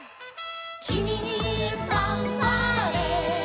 「君にファンファーレ」